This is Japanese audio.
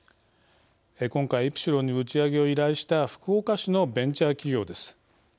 今回、イプシロンに打ち上げを依頼した福岡市のベンチャー企業です。